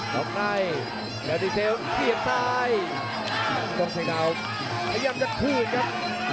รองในเจ้าดีเซลทียนทรายส่องเทคาวพยายามจะคืนครับ